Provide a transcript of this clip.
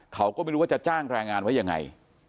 เขาก็ไม่รู้ว่าจะจ้างแรงงานไว้ยังไง